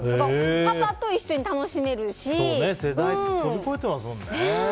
パパと一緒に楽しめるし。